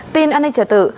tin an ninh trở tử